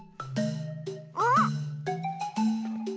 あっ！